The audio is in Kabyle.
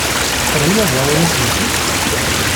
Tḥemmlem aẓawan aselti?